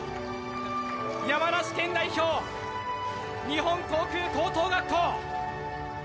山梨県代表日本航空高等学校